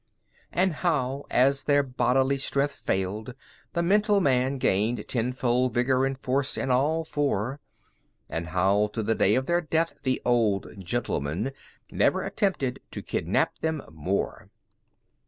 And how, as their bodily strength failed, the mental man Gained tenfold vigor and force in all four; And how, to the day of their death, the "Old Gentleman" Never attempted to kidnap them more.